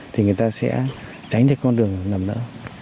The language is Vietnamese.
thì người ta sẽ tránh được con đường nằm nỡ